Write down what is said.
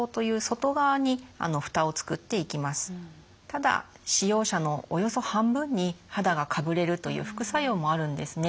ただ使用者のおよそ半分に肌がかぶれるという副作用もあるんですね。